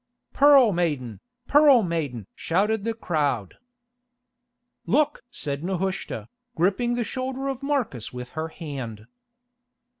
"Pearl Maiden, Pearl Maiden!" shouted the crowd. "Look!" said Nehushta, gripping the shoulder of Marcus with her hand.